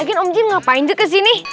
eh kan om jin ngapain juga kesini